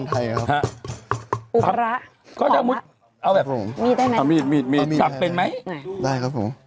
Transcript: ใช่ครับผมจะเป็นเนี่ยครับอ่าผมจะใส่เย็น